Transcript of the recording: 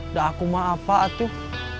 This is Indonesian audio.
udah aku mah apa tuh